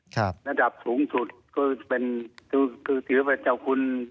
ระดับสูงสุดเอาคือเจ้าคุณ